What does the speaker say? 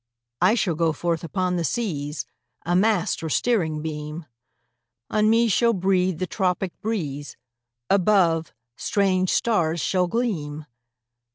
"I shall go forth upon the seas, A mast, or steering beam; On me shall breathe the tropic breeze, Above, strange stars shall gleam.'